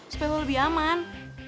supaya lo lebih aman